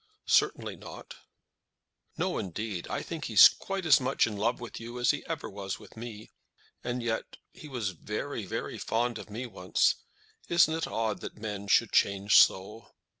"Certainly not." "No, indeed. I think he's quite as much in love with you as ever he was with me. And yet, he was very, very fond of me once. Isn't it odd that men should change so?"